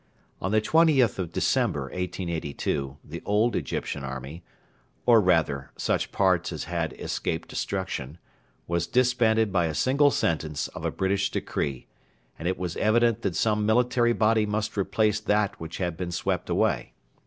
On the 20th of December, 1882, the old Egyptian army or, rather, such parts as had escaped destruction was disbanded by a single sentence of a British decree, and it was evident that some military body must replace that which had been swept away.